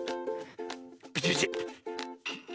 ビチビチ。